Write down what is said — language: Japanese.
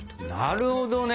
なるほどね！